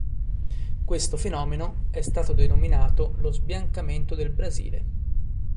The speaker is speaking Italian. Questo fenomeno è stato denominato lo "sbiancamento" del Brasile.